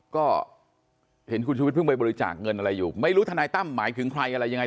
ก็เห็นคุณชุวิตเพิ่งไปบริจาคเงินอะไรอยู่ไม่รู้ทนายตั้มหมายถึงใครอะไรยังไง